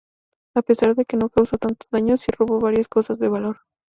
A pesar de que no causó tanto daño, sí robo varias cosas de valor.